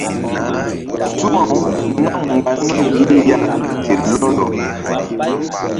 Suŋaw nam mgba nun ye ya ke lɔlɔ.